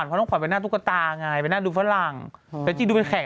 เพราะต้องขวัญเป็นนางตุ๊กตาง่ายเป็นนางดูฝรั่งแต่จริงดูเป็นแขก